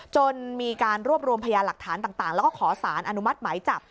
จนมีการรวบรวมพยาหลักฐานต่างแล้วก็ขอสารอนุมัติหมายจับ